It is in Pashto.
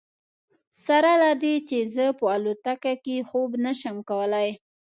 سره له دې چې زه په الوتکه کې خوب نه شم کولی.